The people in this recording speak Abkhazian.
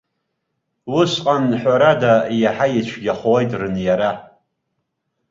Усҟан, ҳәарада, иаҳа ицәгьахоит рыниара.